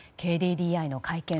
ＫＤＤＩの会見